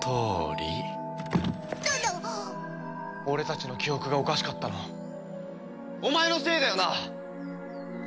俺たちの記憶がおかしかったのお前のせいだよな？